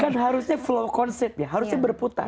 kan harusnya flow concet ya harusnya berputar